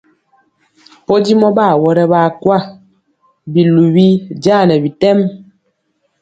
Podimɔ ɓa awɔrɛ ɓaa kwa, biluwi jaa nɛ bitɛm.